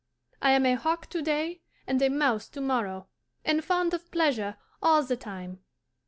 I am a hawk to day and a mouse to morrow, and fond of pleasure all the time.